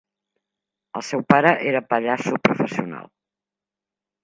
El seu pare era pallasso professional.